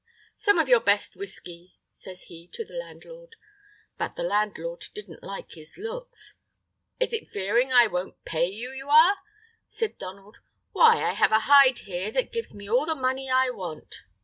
"Some of your best whisky," says he to the landlord. But the landlord didn't like his looks. "Is it fearing I won't pay you, you are?" says Donald; "why, I have a hide here that gives me all the money I want."